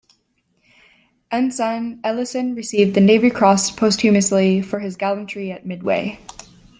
Ensign Ellison received the Navy Cross posthumously for his gallantry at Midway.